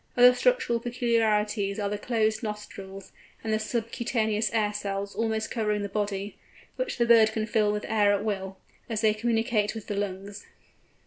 Other structural peculiarities are the closed nostrils, and the subcutaneous air cells almost covering the body, which the bird can fill with air at will, as they communicate with the lungs.